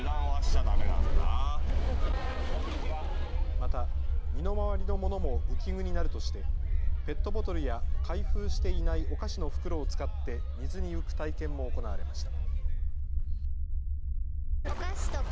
また身の回りのものも浮き具になるとしてペットボトルや開封していないお菓子の袋を使って水に浮く体験も行われました。